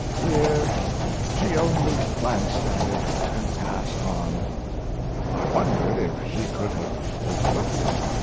Dear, she only glanced at it and passed on! I wondered if she could have overlooked it.